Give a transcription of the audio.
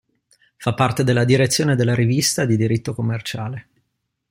Fa parte della Direzione della Rivista di diritto commerciale.